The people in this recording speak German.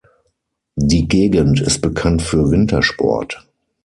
Die Gegend ist bekannt für Wintersport.